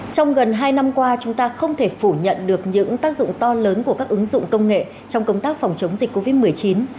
trong gần hai năm qua chúng ta không thể phủ nhận được những tác dụng to lớn của các ứng dụng công nghệ trong công tác phòng chống dịch covid một mươi chín